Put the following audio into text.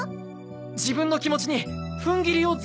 自分の気持ちに踏ん切りをつけたくてさ。